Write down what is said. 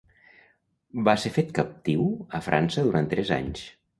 Va ser fet captiu a França durant tres anys.